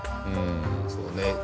そうね。